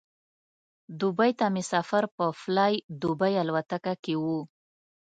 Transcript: دوبۍ ته مې سفر په فلای دوبۍ الوتکه کې و.